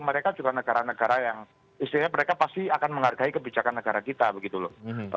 mereka juga negara negara yang istilahnya mereka pasti akan menghargai kebijakan negara kita begitu loh